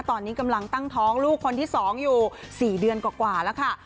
ตอนนี้กำลังตั้งท้องลูกคนที่๒อยู่๔เดือนกว่าแล้วค่ะ